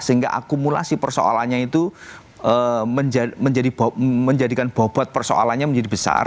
sehingga akumulasi persoalannya itu menjadikan bobot persoalannya menjadi besar